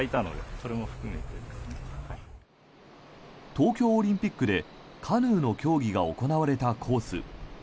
東京オリンピックでカヌーの競技が行われたコース。